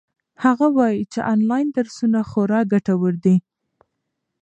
هغه وایي چې آنلاین درسونه خورا ګټور دي.